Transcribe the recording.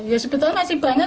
ya sebetulnya masih banyak